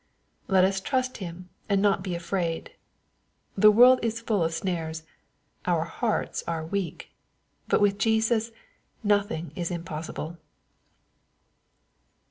Let us trust him, and not be afraid. The world is full of snares. Our hearts are weak. But with Jesus nothing is im possible.